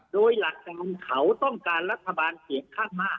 โดยหลักการเขาต้องการรัฐบาลเสียงข้างมาก